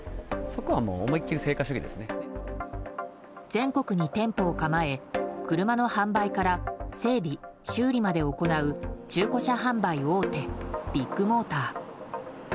全国に店舗を構え車の販売から整備、修理まで行う中古車販売大手ビッグモーター。